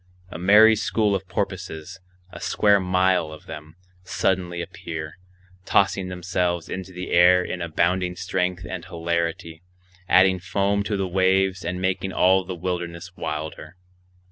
A merry school of porpoises, a square mile of them, suddenly appear, tossing themselves into the air in abounding strength and hilarity, adding foam to the waves and making all the wilderness wilder.